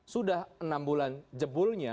sudah enam bulan jebulnya